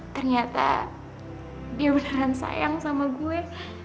ternyata dia beneran sayang sama gue